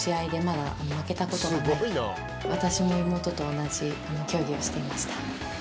私も妹と同じ競技をしていました。